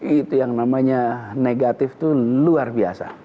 itu yang namanya negatif itu luar biasa